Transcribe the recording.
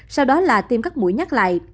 sau đó là tiêm các mũi nhắc lại